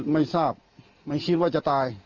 ไม่ทราบไม่คิดว่าจะตาย